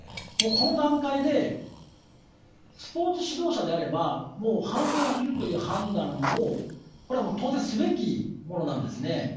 この段階でスポーツ指導者であれば搬送するという判断を当然、すべきものなんですね。